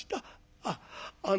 あっあの